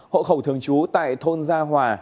hộ khẩu thường trú tại thôn gia hòa